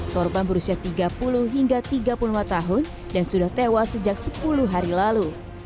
korban berusia tiga puluh hingga tiga puluh lima tahun dan sudah tewas sejak sepuluh hari lalu